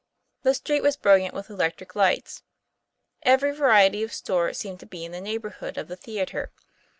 The street was brilliant with electric lights. Every variety of store seemed to be in the neighborhood of the theatre.